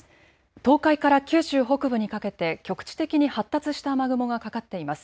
東海から九州北部にかけて局地的に発達した雨雲がかかっています。